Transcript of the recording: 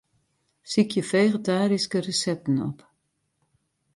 Sykje fegetaryske resepten op.